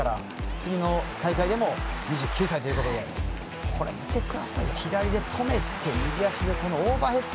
次の大会でも２９歳ということで見てくださいよ、左で止めて右足でオーバーヘッド。